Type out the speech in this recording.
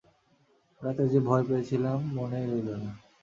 রাতে যে এত ভয় পেয়েছিলাম মনেই রইল না।